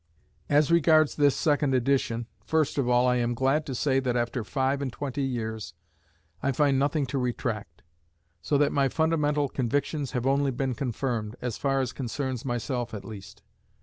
As regards this second edition, first of all I am glad to say that after five and twenty years I find nothing to retract; so that my fundamental convictions have only been confirmed, as far as concerns myself at least.